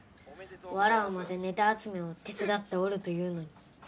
わらわまでネタ集めを手伝っておるというのに。